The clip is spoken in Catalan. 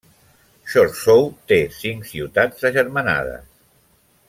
Chorzów té cinc ciutats agermanades.